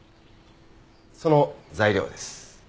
その材料です。